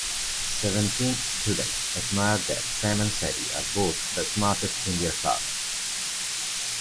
Seventeen students admired that Sam and Sally are both the smartest in their class.